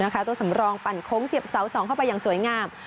ตัวสำรองปั่นโค้งเสียบเสา๒เข้าไปอย่างสวยงาม